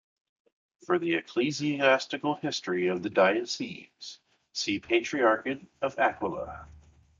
For the ecclesiastical history of the diocese, see Patriarchate of Aquileia.